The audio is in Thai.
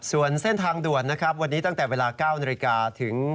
ส่วนเซ่นทางด่วนนะครับวันนี้ตั้งแต่เวลา๙นถึง๒๐๐๐น